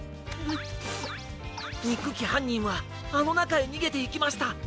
にっくきはんにんはあのなかへにげていきました！